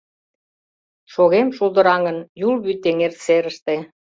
Шогем шулдыраҥын Юл вӱд эҥер серыште.